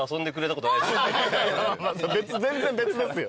全然別ですよ。